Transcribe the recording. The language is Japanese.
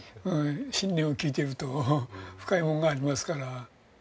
信念を聞いてみると深いものがありますから。